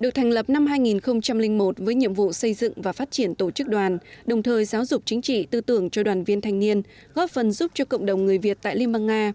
được thành lập năm hai nghìn một với nhiệm vụ xây dựng và phát triển tổ chức đoàn đồng thời giáo dục chính trị tư tưởng cho đoàn viên thanh niên góp phần giúp cho cộng đồng người việt tại liên bang nga